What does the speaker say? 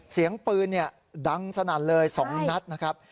เสียงปืนดังสนั่นเลย๒นัดนะครับ